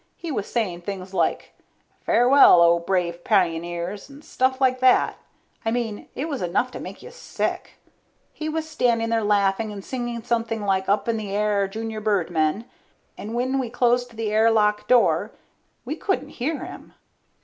He was saying things like, farewell, O brave pioneers, and stuff like that. I mean it was enough to make you sick. He was standing there laughing and singing something like up in the air junior birdmen, but when we closed the air lock door, we couldn't hear him.